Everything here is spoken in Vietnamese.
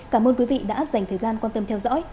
cảm ơn quý vị đã dành thời gian quan tâm theo dõi